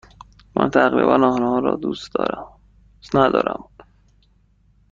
من تقریبا آنها را دوست ندارم.